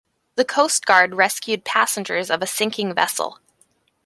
The coast guard rescued passengers of a sinking vessel.